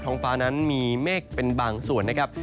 ห้องฟ้านั้นมีเมฆเป็นบางส่วนนะครับ